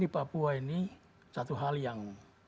di papua ini satu hal yang